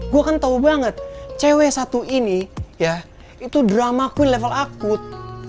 gue kan tau banget cewek satu ini ya itu dramaku level akut